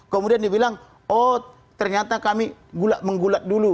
kemudian dia bilang oh ternyata kami menggulat dulu